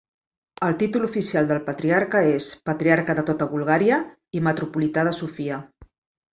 El títol oficial del patriarca és "Patriarca de Tota Bulgària i Metropolità de Sofia".